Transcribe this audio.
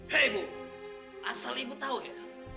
hei ibu asal ibu tau ya